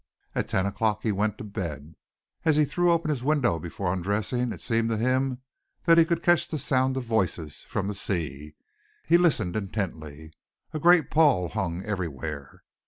At ten o'clock he went to bed. As he threw open his window before undressing, it seemed to him that he could catch the sound of voices from the sea. He listened intently. A grey pall hung everywhere.